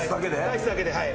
ライスだけではい。